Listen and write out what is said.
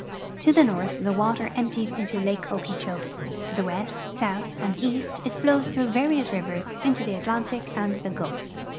To the north the water empties into lake Okeechobee; to the west, south, and east it flows through various rivers into the Atlantic and the Gulf.